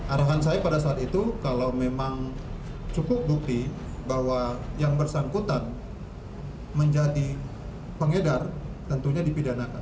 arahan saya pada saat itu kalau memang cukup bukti bahwa yang bersangkutan menjadi pengedar tentunya dipidanakan